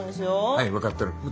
はい分かっとる